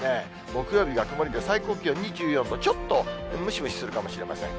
木曜日が曇りで、最高気温２４度、ちょっとムシムシするかもしれません。